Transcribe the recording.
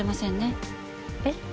えっ？